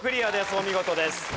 お見事です。